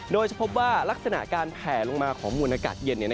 โดยเฉพาะลักษณะการแผลลงมาของมวลอากาศเย็น